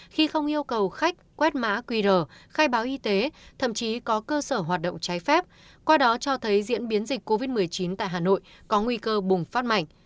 khi không yêu cầu khách quét mã qr khai báo y tế thậm chí có cơ sở hoạt động trái phép qua đó cho thấy diễn biến dịch covid một mươi chín tại hà nội có nguy cơ bùng phát mạnh